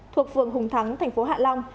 thuộc phường hùng thắng thành phố hạ long